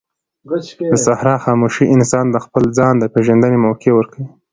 د صحرا خاموشي انسان ته د خپل ځان د پېژندنې موقع ورکوي.